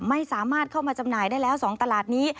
ไม่สามารถเข้ามาจำหน่ายได้แล้ว๒ตลาดนี้